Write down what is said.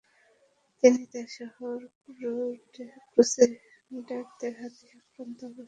তিনি তার শহর ক্রুসেডারদের হাতে আক্রান্ত অবস্থায় পান।